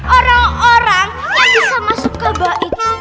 orang orang yang bisa masuk ke bawah itu